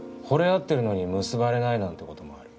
合ってるのに結ばれないなんてこともある。